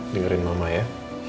dengarin mama ya